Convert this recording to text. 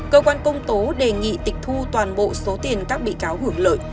cơ quan công tố đề nghị tịch thu toàn bộ số tiền các bị cáo hưởng lợi